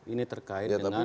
ini terkait dengan